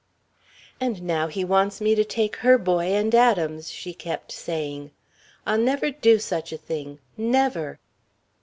"And now he wants me to take her boy and Adam's," she kept saying; "I'll never do such a thing never."